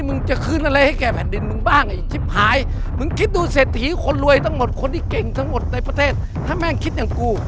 มึงจะคืนอะไรให้แก่แผ่นดินมึงบ้างไอ้จิบหาย